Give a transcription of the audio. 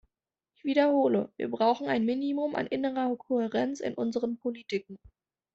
Ich wiederhole, wir brauchen ein Minimum an innerer Kohärenz in unseren Politiken.